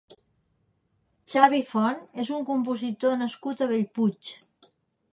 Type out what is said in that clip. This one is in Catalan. Xavi Font és un compositor nascut a Bellpuig.